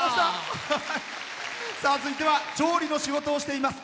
続いては調理の仕事をしています。